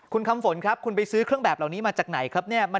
คุณคำฝนครับคุณไปซื้อเครื่องแบบเหล่านี้มาจากไหนครับเนี่ย